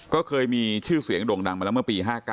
ก็เคยมีชื่อเสียงดงดังเมื่อมือปี๕๙